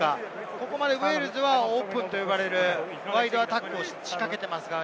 ここまでウェールズはオープンと呼ばれるワイドアタックを仕掛けています。